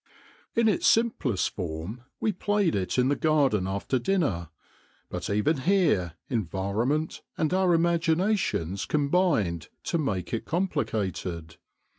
In its simplest form we played it in the garden after dinner, but even here environ ment and our imaginations combined to make it complicated.